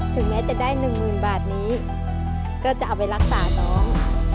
ก็จะเอาไปรักษาน้อง